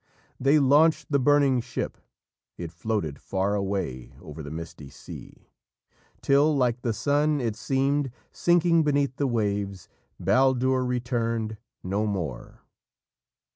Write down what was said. "They launched the burning ship! It floated far away Over the misty sea, Till like the sun it seemed, Sinking beneath the waves, Baldur returned no more!"